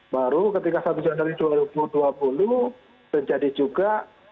baru ketika satu januari dua ribu dua puluh terjadi juga